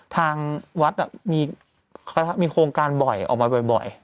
ทางวัดมีโครงการบ่อยออกมาบ่อย